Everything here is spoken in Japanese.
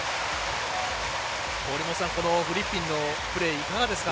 折茂さん、フリッピンのプレーいかがですか。